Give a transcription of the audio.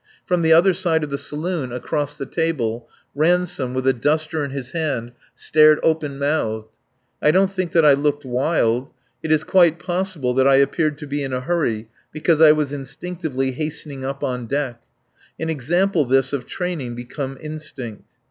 From the other side of the saloon, across the table, Ransome, with a duster in his hand, stared open mouthed. I don't think that I looked wild. It is quite possible that I appeared to be in a hurry because I was instinctively hastening up on deck. An example this of training become instinct.